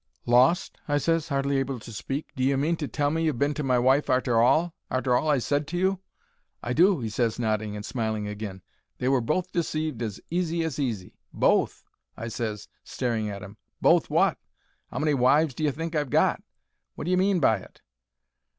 "Lost?" I ses, hardly able to speak. "D'ye mean to tell me you've been to my wife arter all—arter all I said to you?" "I do," he ses, nodding, and smiling agin. "They were both deceived as easy as easy." "Both?" I ses, staring at 'im. "Both wot? 'Ow many wives d'ye think I've got? Wot d'ye mean by it?"